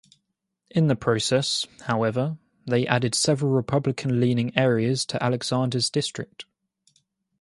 In the process, however, they added several Republican-leaning areas to Alexander's district.